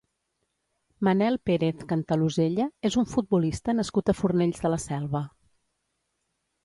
Manel Pérez Cantalosella és un futbolista nascut a Fornells de la Selva.